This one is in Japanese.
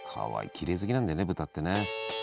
きれい好きなんだよね豚ってね。